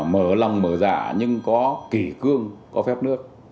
mở lòng mở giả nhưng có kỷ cương có phép nước